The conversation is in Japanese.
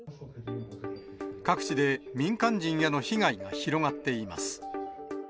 各地で民間人への被害が広がっています。